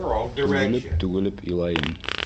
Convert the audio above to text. Түгелеп-түгелеп илайым.